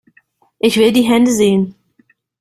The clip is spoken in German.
Ich will die Hände sehen!